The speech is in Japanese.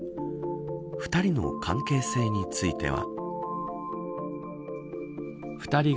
２人の関係性については。